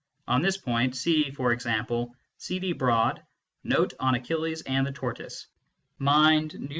On this point, see e.g. C. D. Broad, "Note on Achilles and the Tortoise," Mind, N.S.